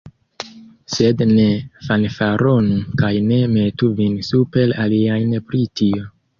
Sed ne fanfaronu kaj ne metu vin super aliajn pri tio.